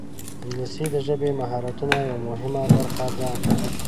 انګلیسي د ژبې د مهارتونو یوه مهمه برخه ده